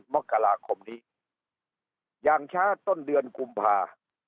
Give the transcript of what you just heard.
มกราคมนี้อย่างช้าต้นเดือนกุมภา